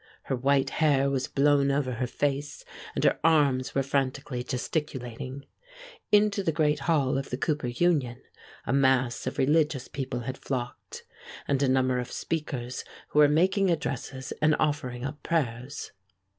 Her white hair was blown over her face and her arms were frantically gesticulating. Into the great hall of the Cooper Union a mass of religious people had flocked, and a number of speakers were making addresses and offering up prayers.